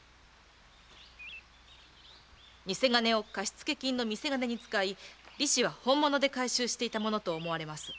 偽金を貸付金の見せ金に使い利子は本物で回収していたものと思われます。